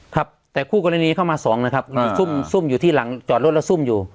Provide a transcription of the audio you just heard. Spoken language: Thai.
ครับแต่คู่กรณีเข้ามาสองนะครับซุ่มซุ่มอยู่ที่หลังจอดรถแล้วซุ่มอยู่